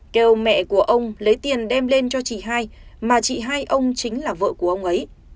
kêu mẹ của ông lấy tiền đem lên cho chị hai mà chị hai ông chính là vợ của ông ấy